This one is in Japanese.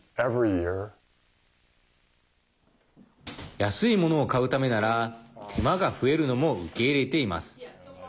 安いものを買うためなら手間が増えるのも受け入れています。